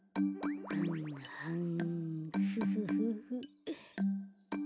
はんはんフフフフ。